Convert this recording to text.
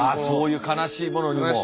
そういう悲しいものにも。